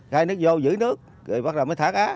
khai nước vô giữ nước rồi bắt đầu mới thả cá